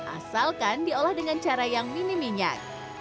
asalkan diolah dengan cara yang minim minyak